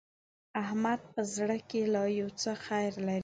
احمد په زړه کې لا يو څه خيره لري.